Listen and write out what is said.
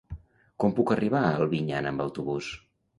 Com puc arribar a Albinyana amb autobús?